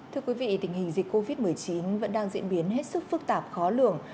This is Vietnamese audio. thưa quý vị tình hình dịch covid một mươi chín vẫn đang diễn biến hết sức phức tạp khó lường